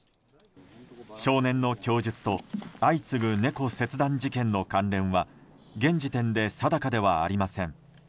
少年の供述と相次ぐ猫切断事件の関連は現時点で定かではありません。